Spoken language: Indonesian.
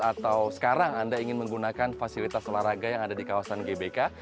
atau sekarang anda ingin menggunakan fasilitas olahraga yang ada di kawasan gbk